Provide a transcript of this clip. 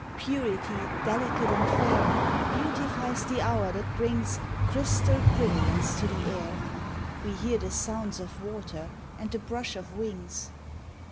Purity, delicate and fair, Beautifies the hour that brings Crystal brilliance to the air; We hear the sounds of water and the brush of wings.